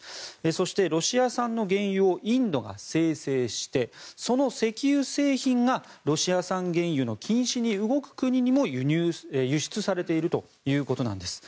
そして、ロシア産の原油をインドが精製してその石油製品がロシア産原油の禁止に動く国にも輸出されているということなんです。